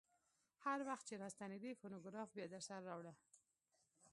هر وخت چې راستنېدې فونوګراف بیا درسره راوړه.